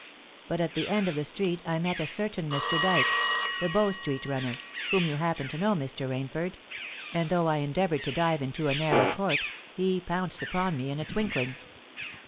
But at the end of the street I met a certain Mr. Dykes—the Bow Street runner, whom you happen to know, Mr. Rainford—and though I endeavoured to dive into a narrow court, he pounced upon me in a twinkling.